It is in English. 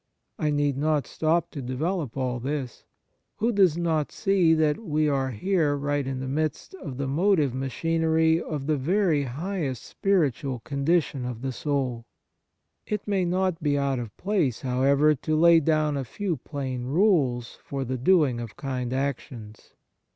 I need not stop to develop all this. Who does not see that we are here right in the midst of the motive machinery of the very highest spiritual condition of the soul ? It may not be out of place, however, to lay down a few plain rules for the doing of kind actions.